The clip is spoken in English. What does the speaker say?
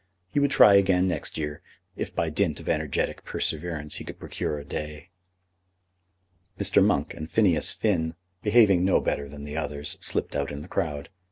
He would try again next year, if by dint of energetic perseverance he could procure a day. Mr. Monk and Phineas Finn, behaving no better than the others, slipped out in the crowd.